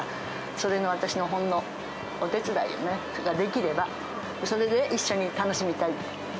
それの私もほんのお手伝いをね、できれば、それで一緒に楽しみたい。